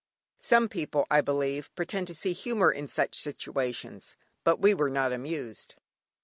Some people, I believe, pretend to see humour in such situations, but we were not amused.